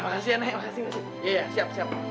nah makasih ya makasih ya ya ya siap siap